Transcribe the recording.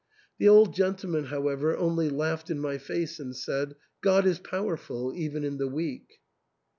The old gentleman, however, only laughed in my face and said, "God is powerful even in the weak."